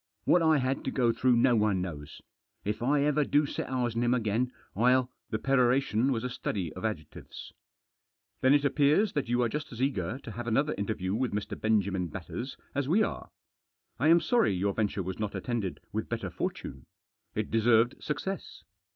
What I had to go through no one knows. If I ever do set eyes on him again, I'll " The peroration was a study of adjectives. " Then it appears that you are just as eager to have another interview with Mr. Benjamin Batters as we are. I am sorry your venture was not attended with better fortune. It deserved success.